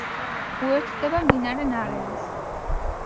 უერთდება მდინარე ნარევის.